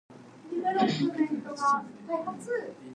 Progress Village was Tampa's first low-income housing suburb.